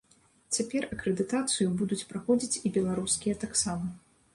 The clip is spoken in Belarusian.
Цяпер акрэдытацыю будуць праходзіць і беларускія таксама.